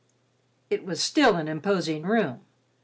It was still an imposing room.